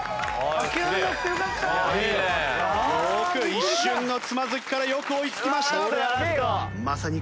よく一瞬のつまずきからよく追いつきました。